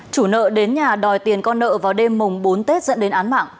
chủ nợ đến nhà đòi tiền con nợ vào đêm mùng bốn tết dẫn đến án mạng